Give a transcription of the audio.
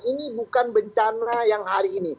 ini bukan bencana yang hari ini